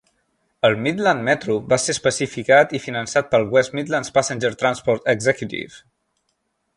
El Midland Metro va ser especificat i finançat pel West Midlands Passenger Transport Executive.